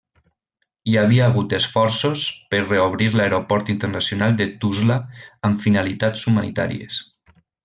Hi havia hagut esforços per reobrir l'Aeroport Internacional de Tuzla amb finalitats humanitàries.